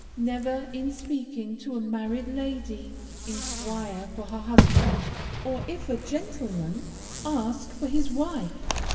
Never, in speaking to a married lady, enquire for her husband, or, if a gentleman, ask for his wife.